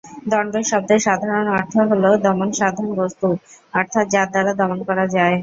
দণ্ড শব্দের সাধারণ অর্থ হলো দমনসাধন বস্ত্ত—অর্থাৎ যার দ্বারা দমন করা যায়।